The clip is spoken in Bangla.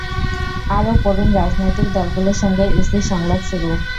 অারও পড়ুন রাজনৈতিক দলগুলোর সঙ্গে ইসির সংলাপ শুরু